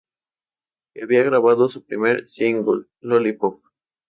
Que había grabado su primer single "Lollipop".